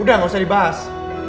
udah gak usah dibahas